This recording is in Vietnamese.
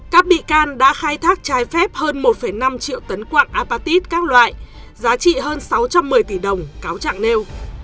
các bị can đã khai thác trái phép hơn một năm triệu tấn quạng apatit các loại giá trị hơn sáu trăm một mươi tỷ đồng cáo trạng nêu